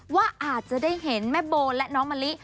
ว่าอาจจะได้เห็นแม่โบและน้องมะลิ